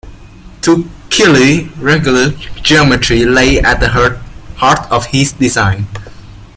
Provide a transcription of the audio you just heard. To Kiley, regular geometry lay at the heart of his design.